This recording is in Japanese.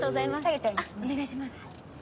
あっお願いします。